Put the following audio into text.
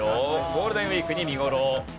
ゴールデンウィークに見頃。